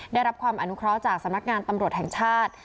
ได้รับความอนุเคราะห์จากสำนักงานตำรวจแห่งชาติ